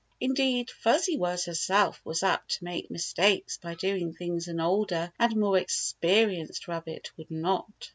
In deed, Fuzzy Wuzz herself was apt to make mis takes by doing things an older and more expe rienced rabbit would not.